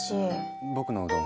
僕のうどん。